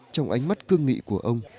trong ánh mắt cương nghị của ông